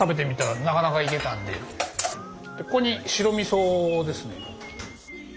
ここに白みそですね。